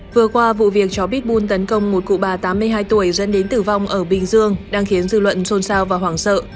vừa qua vụ việc chó bit bun tấn công một cụ bà tám mươi hai tuổi dẫn đến tử vong ở bình dương đang khiến dư luận xôn xao và hoảng sợ